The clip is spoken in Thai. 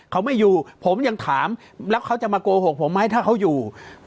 เขาไม่อยู่ผมยังถามแล้วเขาจะมาโกหกผมไหมถ้าเขาอยู่